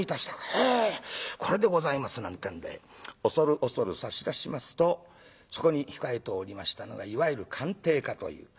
「へえこれでございます」なんてんで恐る恐る差し出しますとそこに控えておりましたのがいわゆる鑑定家という。